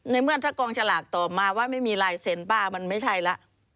เมื่อถ้ากองฉลากตอบมาว่าไม่มีลายเซ็นต์ป้ามันไม่ใช่แล้ว